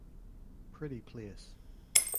Pretty place.